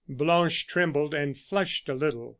Blanche trembled, and flushed a little.